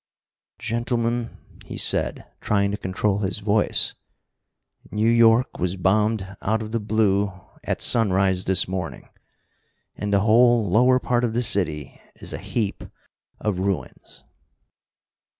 "Gentlemen," he said, trying to control his voice, "New York was bombed out of the blue at sunrise this morning, and the whole lower part of the city is a heap of ruins."